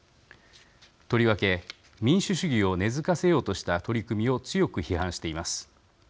とりわけ、民主主義を根づかせようとした取り組みを強く批判しています。